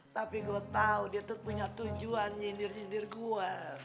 tapi gue tahu dia tuh punya tujuan nyindir nyindir gue